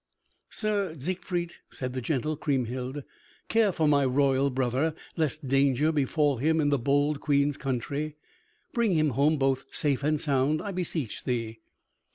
"Sir Siegfried," said the gentle Kriemhild, "care for my royal brother lest danger befall him in the bold Queen's country. Bring him home both safe and sound I beseech thee."